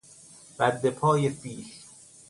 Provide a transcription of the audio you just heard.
ردپای فیل